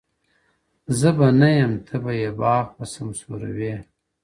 زه به نه یم ته به یې باغ به سمسور وي؛